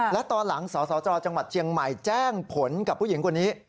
และตอนหลังสสจจังหวัดเชียงใหม่แจ้งผลกับผู้หญิงคนนี้